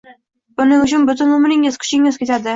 Buning uchun butun umringiz, kuchingiz ketadi.